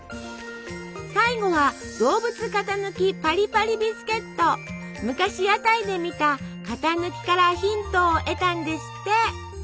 最後は昔屋台で見た型抜きからヒントを得たんですって。